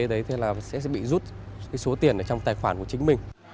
nếu cung cấp mã otp thì sẽ bị rút số tiền trong tài khoản của chính mình